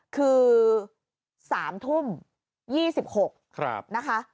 คือ๓ทุ่ม๒๖นะคะ